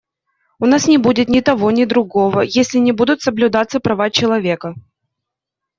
У нас не будет ни того, ни другого, если не будут соблюдаться права человека.